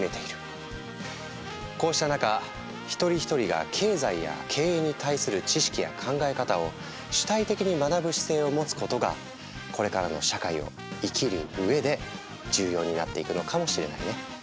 こうした中一人一人が経済や経営に対する知識や考え方を主体的に学ぶ姿勢を持つことがこれからの社会を生きる上で重要になっていくのかもしれないね。